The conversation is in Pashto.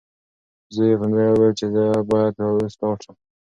زوی یې په بیړه وویل چې زه باید اوس لاړ شم.